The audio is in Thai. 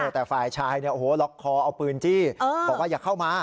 แต่ฝ่ายชายล็อกคอเอาปืนจี้บอกว่าอย่าเข้ามา